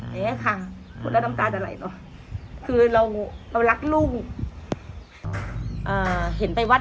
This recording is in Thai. เนี้ยค่ะผลแล้วน้ำตาจะไหลต่อคือเราเรารักลุ้งอ่าเห็นไปวัด